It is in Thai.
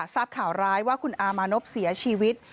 ทราบข่าวร้ายว่าคุณอามานพเสียชีวิต